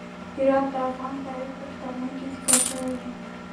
هرات د افغان تاریخ په کتابونو کې ذکر شوی دی.